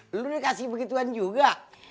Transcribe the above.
lo udah kasih begituan juga